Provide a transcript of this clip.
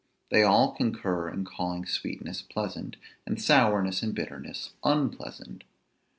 They all concur in calling sweetness pleasant, and sourness and bitterness unpleasant.